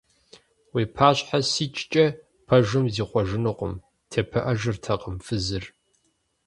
Уи пащхьэ сикӀкӀэ пэжым зихъуэжынукъым! – тепыӀэжыртэкъым фызыр.